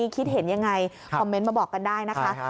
คิดเห็นยังไงคอมเมนต์มาบอกกันได้นะคะ